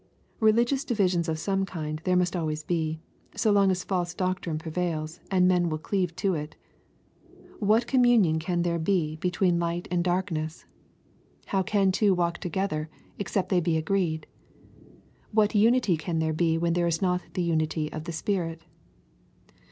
Beligious divisions of some kind there must always be, so long as false doctrine prevails, and men will cleave to it. What communion can there be betw'?en light and 20 EXPOSITORY THOUGHTS. darkness ? How can two walk together except they be agreed ? What unity can there be where there is not the unity of the Spirit